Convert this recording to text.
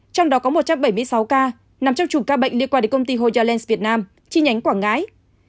trong đó có một trăm bảy mươi sáu ca nằm trong chủng ca bệnh liên quan đến công ty hoalels việt nam chi nhánh quảng ngãi